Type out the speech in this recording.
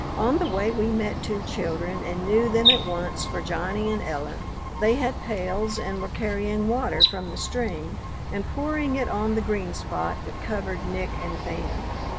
On the way we met two children, and knew them at once for "Johnny and Eller." They had pails, and were carrying water from the stream and pouring it on the green spot that covered Nick and Fan.